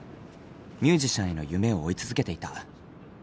ミュージシャンへの夢を追い続けていた。